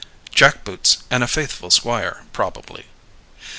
Jack boots and a faithful squire, probably.